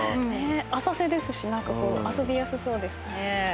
浅瀬ですし何かこう遊びやすそうですね。